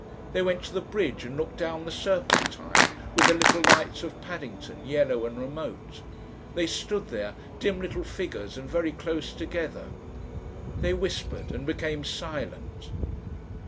They went to the bridge and looked down the Serpentine, with the little lights of Paddington yellow and remote. They stood there, dim little figures and very close together. They whispered and became silent.